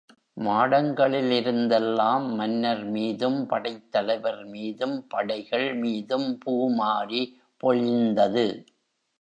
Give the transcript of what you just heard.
மாடங்களிலிருந்தெல்லாம் மன்னர்மீதும் படைத் தலைவர் மீதும் படைகள் மீதும் பூமாரி பொழிந்தது.